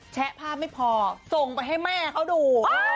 แชะภาพไม่พอส่งไปให้แม่เขาดู